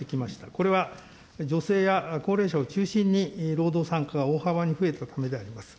これは女性や高齢者を中心に、労働参加が大幅に増えたためであります。